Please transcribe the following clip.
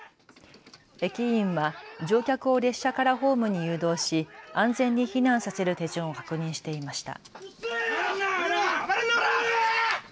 駅員は乗客を列車からホームに誘導し安全に避難させる手順を確認していました。